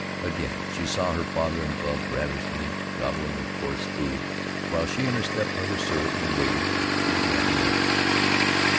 Again she saw her father and Bub ravenously gobbling their coarse food while she and her step mother served and waited, and she began to wonder.